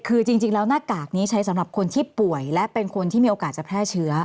คือจริงแล้วหน้ากากนี้ใช้สำหรับคนที่ป่วยและเป็นคนที่มีโอกาสจะแพร่เชื้อ